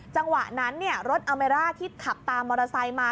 จังหวะนั้นรถอเมร่าที่ขับตามมอเตอร์ไซค์มา